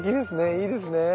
いいですね。